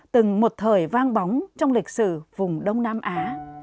từng một thời vang bóng trong lịch sử vùng đông nam á